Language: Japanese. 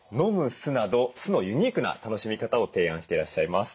酢など酢のユニークな楽しみ方を提案していらっしゃいます。